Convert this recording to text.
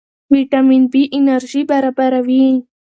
ویټامین بي انرژي برابروي.